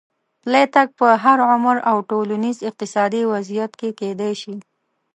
پلی تګ په هر عمر او ټولنیز اقتصادي وضعیت کې کېدای شي.